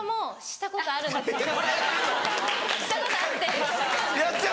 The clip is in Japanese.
したことあって。